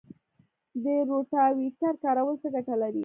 د روټاویټر کارول څه ګټه لري؟